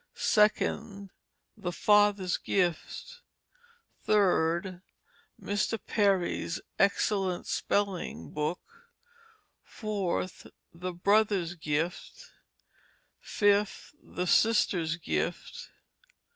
2nd, The Father's Gift. 3rd, Mr. Perry's Excellent Spelling Book. 4th, The Brother's Gift. 5th, The Sister's Gift.